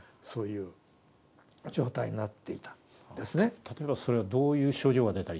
例えばそれはどういう症状が出たりするんですか？